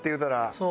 そう。